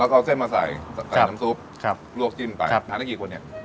ก็เส้นมาใส่ใส่น้ำซุปลวกจิ้มไปทำให้กี่คนเนี่ย